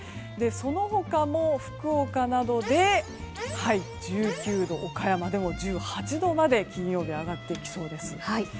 その他も、福岡などで１９度岡山でも１８度まで金曜日は上がってきそうです。